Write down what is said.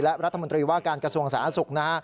และรัฐมนตรีว่าการกระทรวงสาธารณสุขนะฮะ